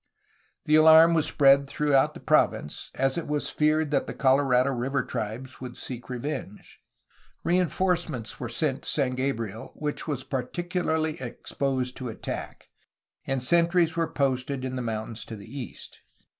The alarm was spread throughout the province, as it was feared that the Colorado River tribes would seek revenge. Reinforcements were sent to San Gabriel, which was particularly exposed to attack, and sentries were posted in the mountains to the east.